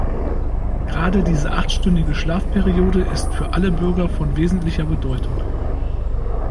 Gerade diese achtstündige Schlafperiode ist für alle Bürger von wesentlicher Bedeutung.